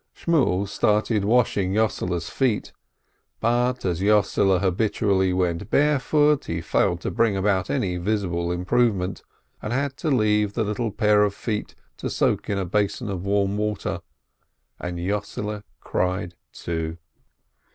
Shmuel started washing Yossele's feet, but as Yossele habitually went barefoot, he failed to bring about any visible improvement, and had to leave the little pair of feet to soak in a basin of warm water, and Yossele cried, too.